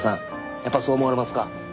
やっぱそう思われますか？